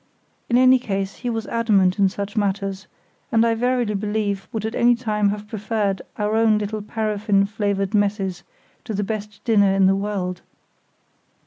In any case he was adamant in such matters, and I verily believe would at any time have preferred our own little paraffin flavoured messes to the best dinner in the world.